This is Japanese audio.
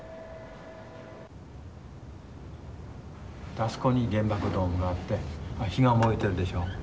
あそこに原爆ドームがあって火が燃えてるでしょ。